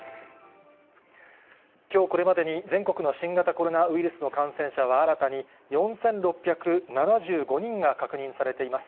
きょうこれまでに全国の新型コロナウイルスの感染者は、新たに４６７５人が確認されています。